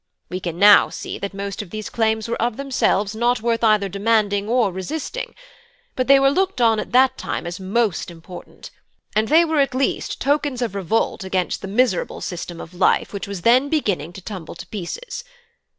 We can now see that most of these claims were of themselves not worth either demanding or resisting; but they were looked on at that time as most important, and they were at least tokens of revolt against the miserable system of life which was then beginning to tumble to pieces.